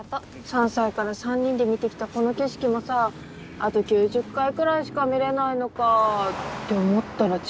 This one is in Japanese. ３歳から３人で見てきたこの景色もさあと９０回くらいしか見れないのかぁって思ったら違っ。